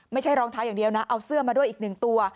ไม่ใช่รองเท้าอย่างเดียวนะเอาเสื้อมาด้วยอีกหนึ่งตัว